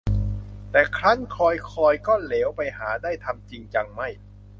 แต่ครั้นคอยคอย ก็เหลวไปหาได้ทำจริงจังไม่